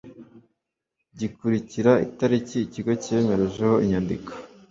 gikurikira itariki Ikigo cyemerejeho inyandiko